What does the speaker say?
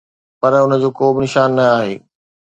پر ان جو ڪو به نشان نه آهي